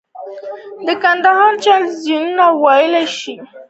د کندهار د چل زینو ویالې د غوري دورې شاهکار دي